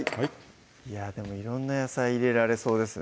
いやでも色んな野菜入れられそうですね